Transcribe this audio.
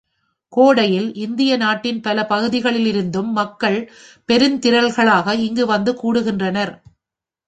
கோடையில் இந்திய நாட்டின் பல பகுதிகளிலிருந்தும் மக்கள் பெருந்திரளாக இங்கு வந்து கூடுகின்றனர்.